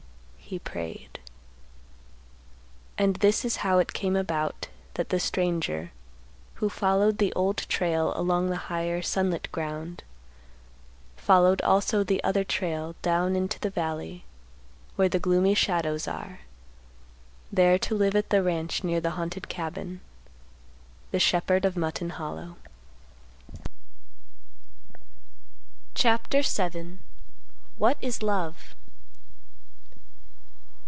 He prayed. And this is how it came about that the stranger, who followed the Old Trail along the higher sunlit ground, followed, also, the other trail down into the valley where the gloomy shadows are; there to live at the ranch near the haunted cabin—the shepherd of Mutton Hollow. CHAPTER VII. WHAT IS LOVE?